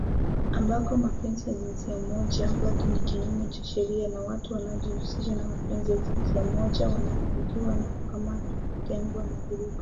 Ambako mapenzi ya jinsia moja bado ni kinyume cha sheria na watu wanaojihusisha na mapenzi ya jinsia moja wanakabiliwa na kukamatwa, kutengwa na vurugu.